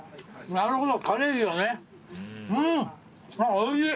なるほど。